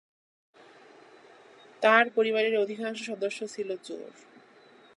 তার পরিবারের অধিকাংশ সদস্য ছিল চোর।